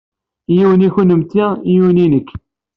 Yiwen i kennemti yiwen i nekk.